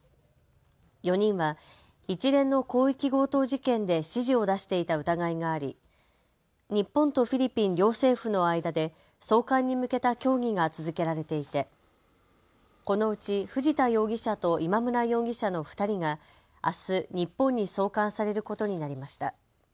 ４人は一連の広域強盗事件で指示を出していた疑いがあり日本とフィリピン両政府の間で送還に向けた協議が続けられていてこのうち藤田容疑者と今村容疑者の２人があす日本に送還されることになりました。